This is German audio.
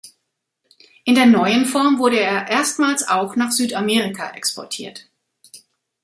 In der neuen Form wurde er erstmals auch nach Südamerika exportiert.